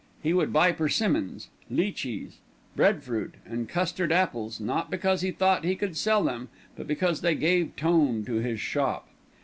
He would buy persimmons, li chis, bread fruit, and custard apples, not because he thought he could sell them; but because they gave tone to his shop.